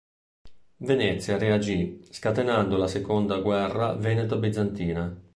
Venezia reagì scatenando la seconda guerra veneto-bizantina.